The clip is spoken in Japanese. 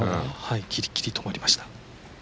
ぎりぎり止まりました。